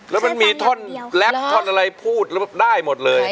แล้วมันมีท่อนแล็บท่อนอะไรพูดแล้วได้หมดเลย